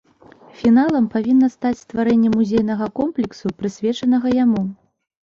Фіналам павінна стаць стварэнне музейнага комплексу, прысвечанага яму.